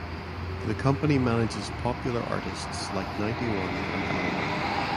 The company manages popular artists like Ninety One and Alba.